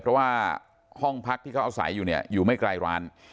เพราะว่าห้องพักที่เขาเอาใสอยู่อยู่ไม่ไกลร้าน